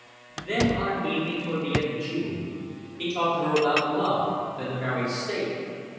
Thus on an evening toward the end of June he talked to her about love and the married state.